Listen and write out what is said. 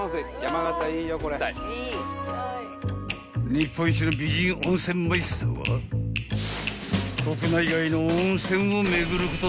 ［日本一の美人温泉マイスターは国内外の温泉を巡ること